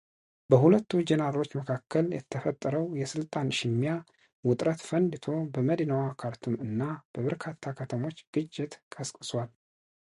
በሁለቱ ጀነራሎች መካከል የተፈጠረው የስልጣን ሽሚያ ውጥረት ፈንድቶ በመዲናዋ ካርቱም እና በበርካታ ከተሞች ግጭት ቀስቅሷል።